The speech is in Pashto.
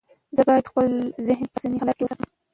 زه باید خپل ذهن په اوسني حالت کې وساتم.